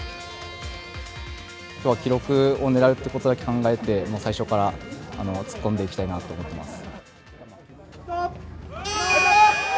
きょうは記録を狙うということだけを考えて、もう最初から、突っ込んでいきたいなと思ってます。